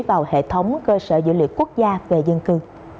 vào hệ thống cơ sở dữ liệu quốc gia về dân cư